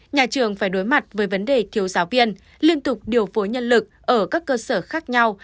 nhà trường phải đối mặt với vấn đề thiếu giáo viên liên tục điều phối nhân lực ở các cơ sở khác nhau